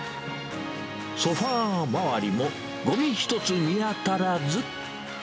ソファ周りもごみ一つ見当たらず。